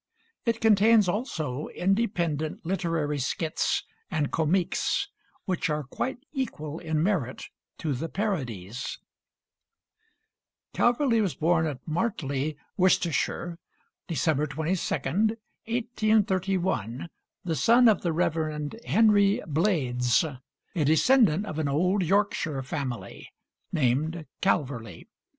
It contains also independent literary skits and comiques which are quite equal in merit to the parodies. Calverley was born at Martley, Worcestershire, December 22d, 1831, the son of the Rev. Henry Blayds, a descendant of an old Yorkshire family named Calverley.